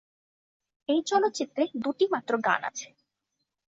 এই চলচ্চিত্রে দুটি মাত্র গান আছে।